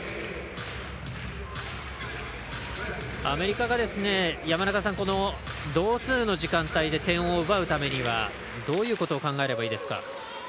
アメリカが山中さん、同数の時間帯で点を奪うためにはどういうことを考えればいいですか？